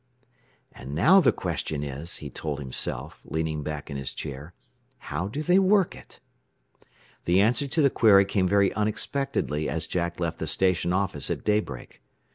"And now the question is," he told himself, leaning back in his chair, "how do they work it?" The answer to the query came very unexpectedly as Jack left the station office at daybreak.